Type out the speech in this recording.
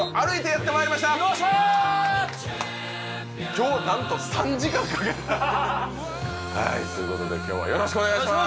今日は何と３時間かけてはいということで今日はよろしくお願いします